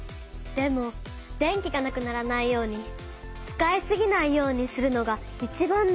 でも電気がなくならないように使いすぎないようにするのがいちばん大事なのよ。